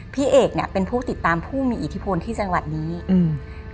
พี่เอกเนี้ยเป็นผู้ติดตามผู้มีอิทธิพลที่จังหวัดนี้อืม